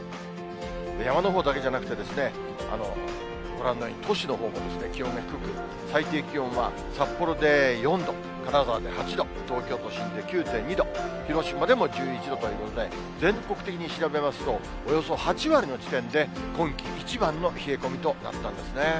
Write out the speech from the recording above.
山のほうだけじゃなくて、ご覧のように都市のほうも、気温が低く、最低気温は札幌で４度、金沢で８度、東京都心で９．２度、広島でも１１度ということで、全国的に調べますと、およそ８割の地点で、今季一番の冷え込みとなったんですね。